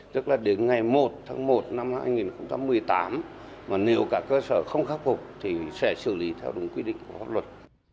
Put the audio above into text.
tức là đến ngày một tháng một năm hai nghìn một mươi tám mà nếu cả cơ sở không khắc phục thì sẽ xử lý theo đúng quy định của pháp luật